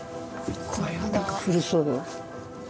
これは何か古そうよ。